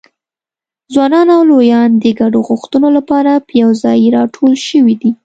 ځوانان او لویان د ګډو غوښتنو لپاره په یوځایي راټول شوي دي.